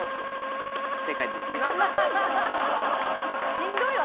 しんどいわ！